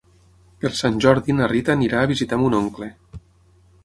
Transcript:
Per Sant Jordi na Rita anirà a visitar mon oncle.